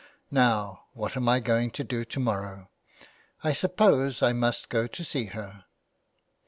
Now, what am I going to do to morrow ? I suppose I must go to see her."